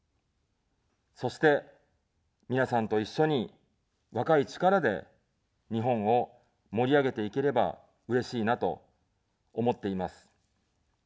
そして、皆さんと一緒に、若い力で日本を盛り上げていければ、うれしいなと思っています。